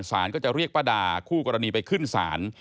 สารก็จะเรียกป้าดาคู่กรณีไปขึ้นศาล